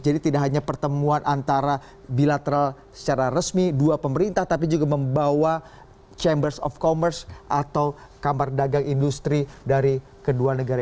jadi tidak hanya pertemuan antara bilateral secara resmi dua pemerintah tapi juga membawa chambers of commerce atau kamar dagang industri dari kedua negara